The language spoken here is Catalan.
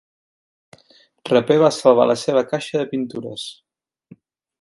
Raper va salvar la seva caixa de pintures.